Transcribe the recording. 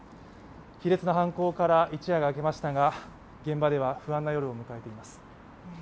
卑劣な犯行から一夜が明けましたが、現場では不安な夜を迎えています。